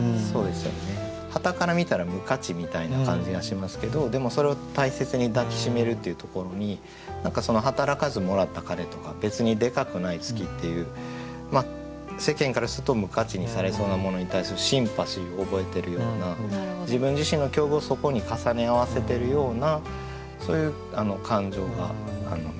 はたから見たら無価値みたいな感じがしますけどでもそれを大切に抱き締めるっていうところに「働かずもらった金」とか「別にデカくない月」っていう世間からすると無価値にされそうなものに対するシンパシーを覚えてるような自分自身の境遇をそこに重ね合わせてるようなそういう感情が見てとれて。